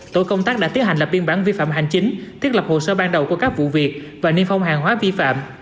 tổ công tác đã tiến hành lập biên bản vi phạm hành chính thiết lập hồ sơ ban đầu của các vụ việc và niêm phong hàng hóa vi phạm